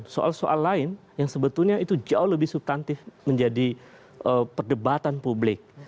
soal soal lain yang sebetulnya itu jauh lebih subtantif menjadi perdebatan publik